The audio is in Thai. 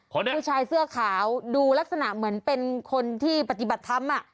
เหรอเนี่ยผู้ชายเสื้อขาวดูลักษณะเหมือนเป็นคนที่ปฏิบัติทำอ่ะ